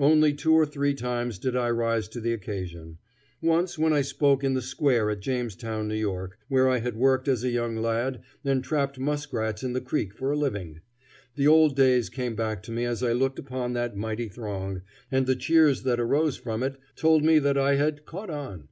Only two or three times did I rise to the occasion. Once when I spoke in the square at Jamestown, N.Y., where I had worked as a young lad and trapped muskrats in the creek for a living. The old days came back to me as I looked upon that mighty throng, and the cheers that arose from it told me that I had "caught on."